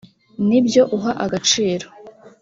n ibyo uha agaciro